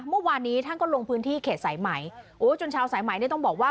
เมื่อวานนี้ท่านก็ลงพื้นที่เขตสายไหมโอ้จนชาวสายใหม่เนี่ยต้องบอกว่า